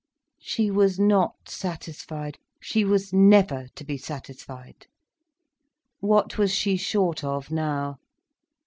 She was not satisfied—she was never to be satisfied. What was she short of now?